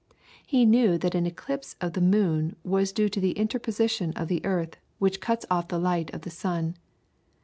He knew that an eclipse of the moon was due to the interposition of the earth which cuts off the light of the sun.